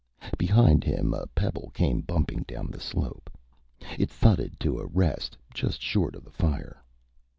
Behind him, a pebble came bumping down the slope. It thudded to a rest just short of the fire.